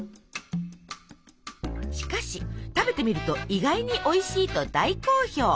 しかし食べてみると意外においしいと大好評。